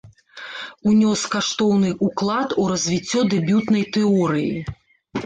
Унёс каштоўны ўклад у развіццё дэбютнай тэорыі.